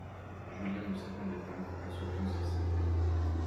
Julien ne s'attendait pas à ce ton si simple.